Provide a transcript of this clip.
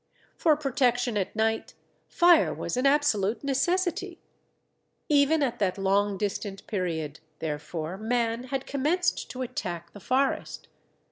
For protection at night fire was an absolute necessity. Even at that long distant period, therefore, man had commenced to attack the forest.